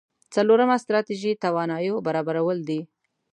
څلورمه ستراتيژي تواناییو برابرول دي.